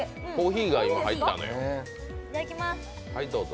いただきます。